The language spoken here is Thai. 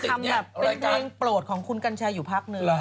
แบบเป็นเพลงโปรดของคุณกัญชาอยู่พักเนื้อ